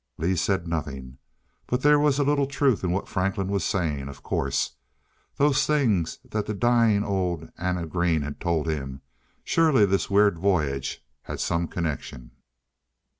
Lee said nothing. But there was a little truth in what Franklin was saying, of course.... Those things that the dying old Anna Green had told him surely this weird voyage had some connection.